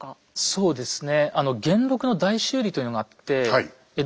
そうですね。